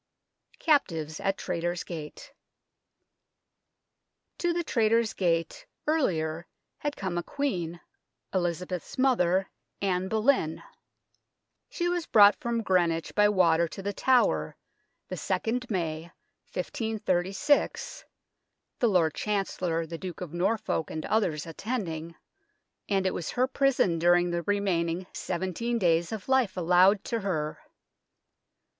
CAPTIVES AT TRAITORS' GATE To the Traitors' Gate, earlier, had come a Queen Elizabeth's mother, Anne Boleyn. 56 THE TOWER OF LONDON She was brought from Greenwich by water to The Tower, the 2nd May, 1536, the Lord Chancellor, the Duke of Norfolk, and others attending, and it was her prison during the remaining seventeen days of life allowed to her.